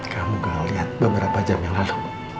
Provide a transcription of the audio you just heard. kamu gak lihat beberapa jam yang lalu